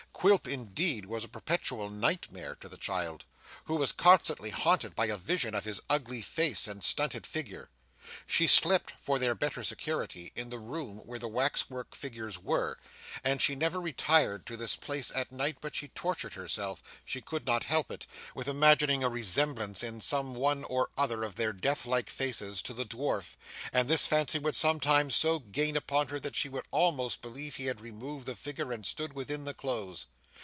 Quilp indeed was a perpetual night mare to the child, who was constantly haunted by a vision of his ugly face and stunted figure. She slept, for their better security, in the room where the wax work figures were, and she never retired to this place at night but she tortured herself she could not help it with imagining a resemblance, in some one or other of their death like faces, to the dwarf, and this fancy would sometimes so gain upon her that she would almost believe he had removed the figure and stood within the clothes.